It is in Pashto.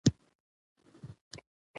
محمداعظم خان وهڅاوه چې بیعت وکړي.